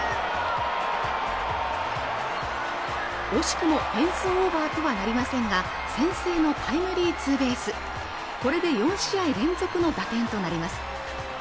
惜しくもフェンスオーバーとはなりませんが先制のタイムリーツーベースこれで４試合連続の打点となります